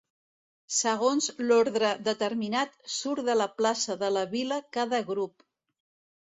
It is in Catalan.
Segons l'ordre determinat surt de la plaça de la Vila cada grup.